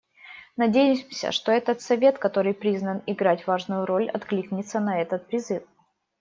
Надеемся, что этот Совет, который призван играть важную роль, откликнется на этот призыв.